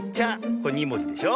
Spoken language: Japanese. これ２もじでしょ。